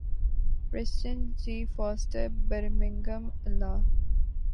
Preston G Foster Birmingham الا